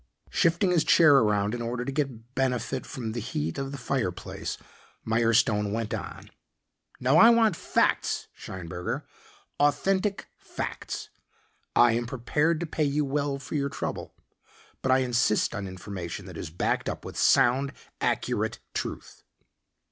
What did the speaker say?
Shifting his chair around in order to get benefit from the heat of the fireplace, Mirestone went on. "Now I want facts, Scheinberger, authentic facts. I am prepared to pay you well for your trouble, but I insist on information that is backed up with sound, accurate truth."